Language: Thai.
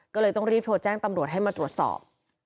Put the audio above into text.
ก็เลยต้องรีบโทรแจ้งตำรวจให้มาตรวจสอบ